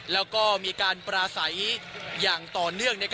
แล้วก็มีการปราศัยอย่างต่อเนื่อง